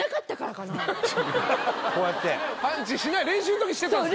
こうやって練習の時してたんすか？